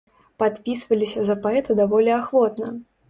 Падпісваліся за паэта даволі ахвотна.